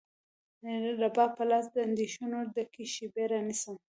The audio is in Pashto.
رباب په لاس، د اندېښنو ډکې شیبې رانیسم